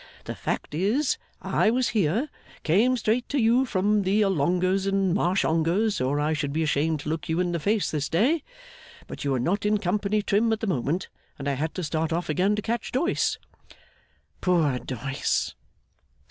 The fact is, I was here came straight to you from the Allongers and Marshongers, or I should be ashamed to look you in the face this day, but you were not in company trim at the moment, and I had to start off again to catch Doyce.' 'Poor Doyce!